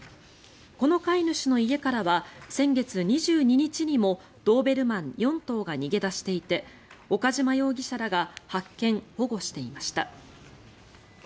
この飼い主の家からは先月２２日にもドーベルマン４頭が逃げ出していて岡島容疑者らが発見・保護していました。